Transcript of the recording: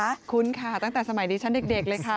คุ้นค่ะตั้งแต่สมัยดิฉันเด็กเลยค่ะ